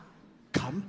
乾杯